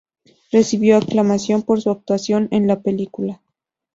Recibió aclamación por su actuación en la película.